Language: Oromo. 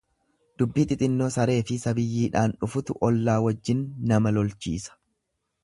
Dubbii xixinnoo sareefi sabiyyiidhaan dhufutu ollaa wajjin nama lolchiisa.